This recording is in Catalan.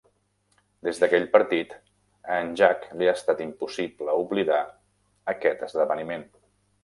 Des d'aquell partit, a en Jack li ha estat impossible oblidar aquest esdeveniment.